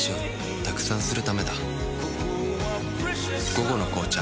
「午後の紅茶」